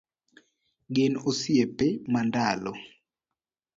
Gin osiepe mandalo